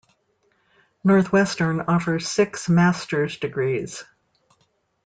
Northwestern offers six master's degrees.